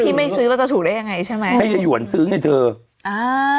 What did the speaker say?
ไม่ซื้อแล้วจะถูกได้ยังไงใช่ไหมให้ยายหวนซื้อไงเธออ่า